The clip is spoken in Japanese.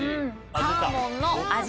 サーモンの味